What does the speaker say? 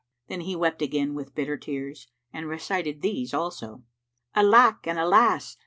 Then he wept again with bitter tears and recited these also, "Alack and Alas!